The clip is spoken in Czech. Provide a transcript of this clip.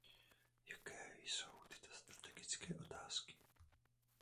Jaké jsou tyto strategické otázky?